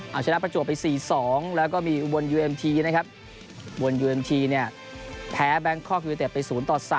เอาชนะประจวบไป๔๒แล้วก็มีวลยูเอ็มทีนะครับแพ้แบงคทยูเอตเตะไป๐ต่อ๓